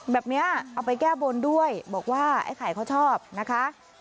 แบบนี้เอาไปแก้บนด้วยบอกว่าไอ้ไข่เขาชอบนะคะ